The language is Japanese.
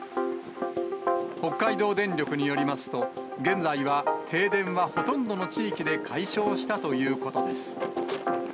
北海道電力によりますと、現在は停電はほとんどの地域で解消したということです。